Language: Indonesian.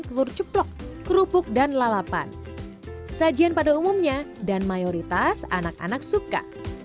telur ceplok kerupuk dan lalapan sajian pada umumnya dan mayoritas anak anak suka